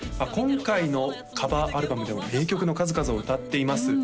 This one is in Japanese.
今回のカバーアルバムでも名曲の数々を歌っています